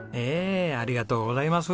ありがとうございます。